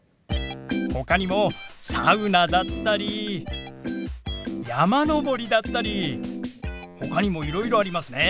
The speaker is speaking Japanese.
ほかにもサウナだったり山登りだったりほかにもいろいろありますね。